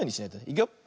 いくよ。